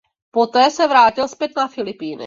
Poté se vrátil zpět na Filipíny.